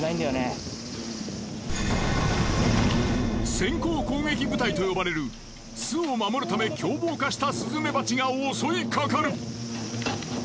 先行攻撃部隊と呼ばれる巣を守るため凶暴化したスズメバチが襲いかかる。